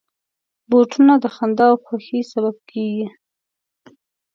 بوټونه د خندا او خوښۍ سبب کېږي.